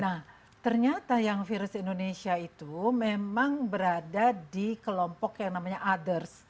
nah ternyata yang virus indonesia itu memang berada di kelompok yang namanya others